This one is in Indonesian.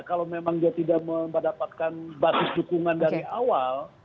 kalau memang dia tidak mendapatkan basis dukungan dari awal